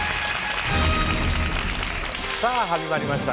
さあ始まりました